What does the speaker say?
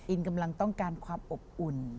อินกำลังต้องการความอบอุ่น